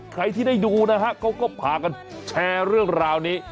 ใครที่ได้ดูนะฮะเขาก็พากันแชร์เรื่องราวนี้